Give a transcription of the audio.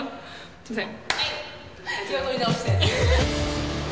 すいません。